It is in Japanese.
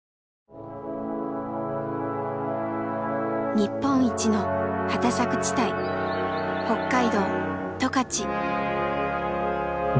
日本一の畑作地帯北海道・十勝。